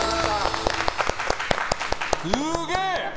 すげえ！